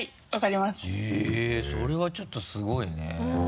それはちょっとすごいね。